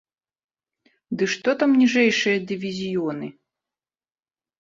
Ды што там ніжэйшыя дывізіёны!